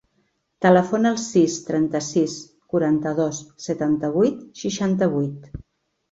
Telefona al sis, trenta-sis, quaranta-dos, setanta-vuit, seixanta-vuit.